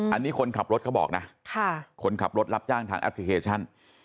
อันนี้คนขับรถเขาบอกนะคนขับรถรับจ้างทางแอปพลิเคชัน